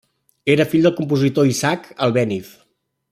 Era fill del compositor Isaac Albéniz.